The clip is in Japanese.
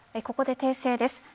ここで訂正です。